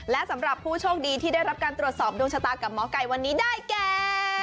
และสำหรับผู้โชคดีที่ได้รับการตรวจสอบดวงชะตากับหมอไก่วันนี้ได้แก่